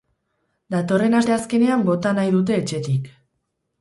Datorren asteazkenean bota nahi dute etxetik.